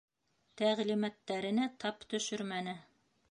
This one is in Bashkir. Тәғлимәттәренә тап төшөрмәне.